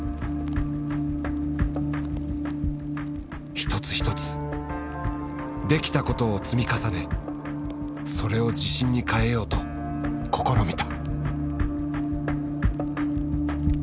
一つ一つ「できたこと」を積み重ねそれを自信に変えようと試みた。